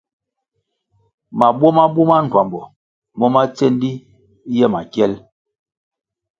Mabuo ma buma ndtuambo mo ma tsendi ye makiel.